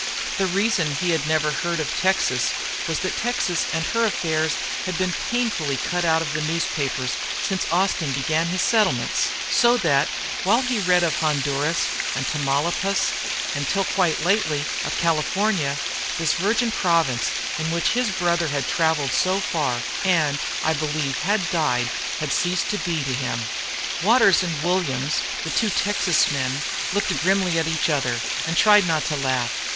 The reason he had never heard of Texas was that Texas and her affairs had been painfully cut out of his newspapers since Austin began his settlements; so that, while he read of Honduras and Tamaulipas, and, till quite lately, of California, this virgin province, in which his brother had travelled so far, and, I believe, had died, had ceased to be to him. Waters and Williams, the two Texas men, looked grimly at each other and tried not to laugh.